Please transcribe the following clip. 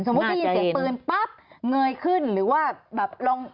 ได้ยินเสียงปืนปั๊บเงยขึ้นหรือว่าแบบลอง